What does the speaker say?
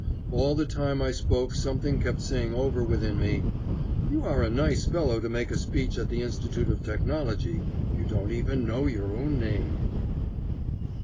All the time I spoke something kept saying over within me: "You are a nice fellow to make a speech at the Institute of Technology; you don't even know your own name."